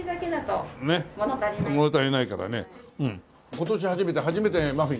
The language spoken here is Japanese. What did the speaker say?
今年初めて初めてマフィン食べたよ。